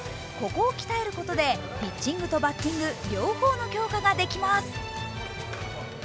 ここを鍛えることでピッチングとバッティング、両方の強化ができます。